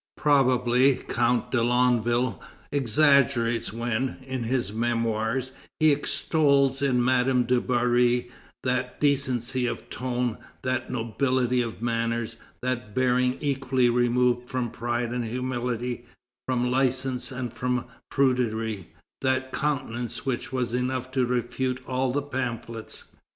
Probably Count d'Allonville exaggerates when, in his Memoirs, he extols in Madame du Barry "that decency of tone, that nobility of manners, that bearing equally removed from pride and humility, from license and from prudery, that countenance which was enough to refute all the pamphlets."